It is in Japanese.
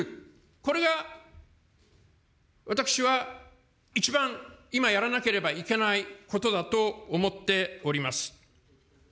これが、私は一番、今、やらなければいけないことだと思っております。